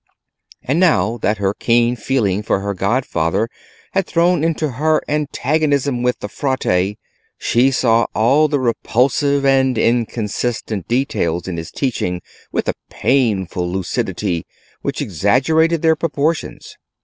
And now that her keen feeling for her godfather had thrown her into antagonism with the Frate, she saw all the repulsive and inconsistent details in his teaching with a painful lucidity which exaggerated their proportions.